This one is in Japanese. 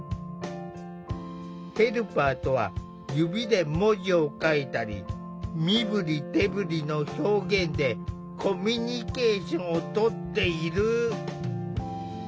ヘルパーとは指で文字を書いたり身振り手振りの表現でコミュニケーションをとっている。